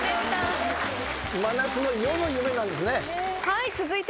はい。